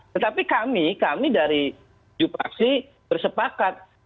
tetapi kami kami dari jupraksi bersepakat